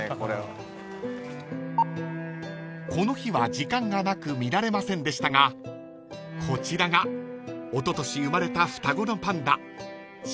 ［この日は時間がなく見られませんでしたがこちらがおととし生まれた］